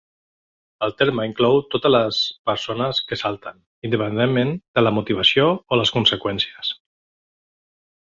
El terme inclou totes les persones que salten, independentment de la motivació o les conseqüències.